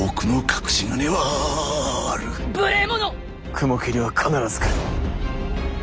雲霧は必ず来る。